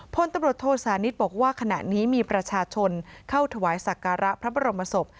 พลตำรวจโทษานิทบอกว่าขณะนี้มีประชาชนเข้าถวายสักการะพระบรมศพ